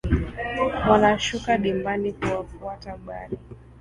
wanashuka dimbani kuwafuata bari